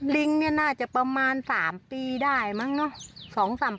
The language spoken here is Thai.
ลิงเนี่ยน่าจะประมาณ๓ปีได้มั้งเนอะ